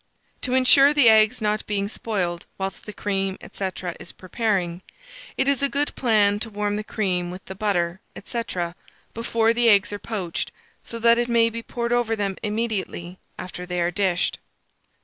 To insure the eggs not being spoiled whilst the cream, &c., is preparing, it is a good plan to warm the cream with the butter, &c., before the eggs are poached, so that it may be poured over them immediately after they are dished.